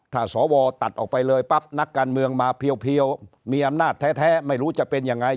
ถ้าสวตัดออกไปเลยปั๊บนักการเมืองมาเพียวมีอำนาจแท้ไม่รู้จะเป็นยังไง